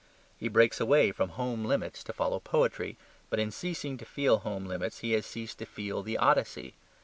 He breaks away from home limits to follow poetry. But in ceasing to feel home limits he has ceased to feel the "Odyssey."